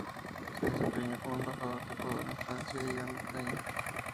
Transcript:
Se desempeñó como embajador de Ecuador en Francia y Gran Bretaña.